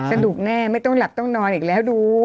สนุกแน่ไม่ต้องหลับต้องนอนอีกแล้วดู